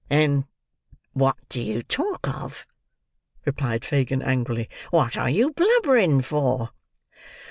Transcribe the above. "Then what do you talk of?" replied Fagin angrily; "what are you blubbering for?"